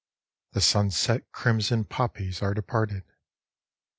The sunset crimson poppies are departed.